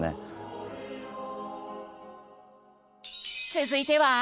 続いては？